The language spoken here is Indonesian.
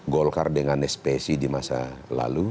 golkar dengan spsi di masa lalu